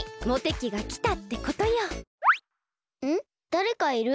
だれかいる？